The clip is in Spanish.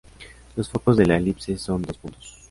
Los focos de la elipse son dos puntos.